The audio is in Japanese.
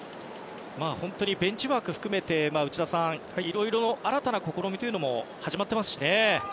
本当にベンチワークを含めて内田さん、いろいろ新たな試みも始まっていますしね。